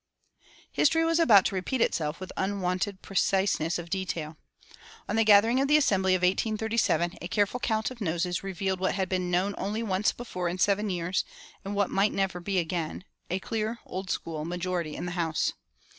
History was about to repeat itself with unwonted preciseness of detail. On the gathering of the Assembly of 1837 a careful count of noses revealed what had been known only once before in seven years, and what might never be again a clear Old School majority in the house.